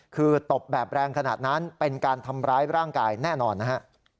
คือตบแบบแรงขนาดนั้นเป็นการทำร้ายร่างกายแน่นอนนะฮะ